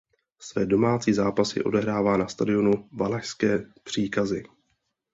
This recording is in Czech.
Své domácí zápasy odehrává na stadionu Valašské Příkazy.